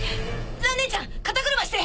蘭ねえちゃん肩車して！